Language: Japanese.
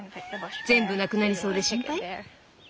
全部なくなりそうで心配？